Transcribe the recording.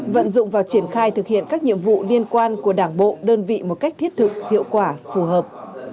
vận dụng và triển khai thực hiện các nhiệm vụ liên quan của đảng bộ đơn vị một cách thiết thực hiệu quả phù hợp